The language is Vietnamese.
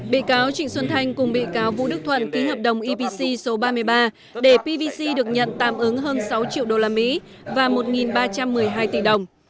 bị cáo trịnh xuân thanh cùng bị cáo vũ đức thuận ký hợp đồng epc số ba mươi ba để pvc được nhận tạm ứng hơn sáu triệu usd và một ba trăm một mươi hai tỷ đồng